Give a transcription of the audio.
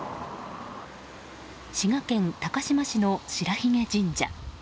滋賀県高島市の白髭神社。